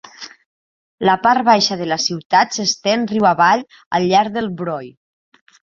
La part baixa de la ciutat s'estén riu avall al llarg del Broye.